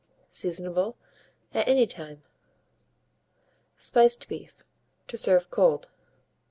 Seasonable at any time. SPICED BEEF (to Serve Cold).